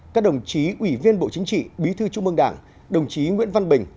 các đồng chí ủy viên bộ chính trị bí thư trung mương đảng đồng chí nguyễn văn bình